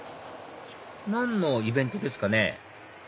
何のイベントですかね？